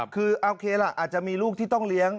คือโอเคล่ะอาจจะมีลูกที่ต้องเลี้ยง